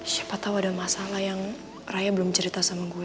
siapa tahu ada masalah yang raya belum cerita sama gue